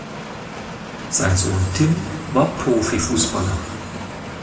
Sein Sohn Tim war Profifußballer.